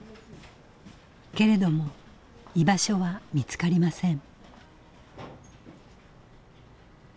けれども居場所は見つかりません。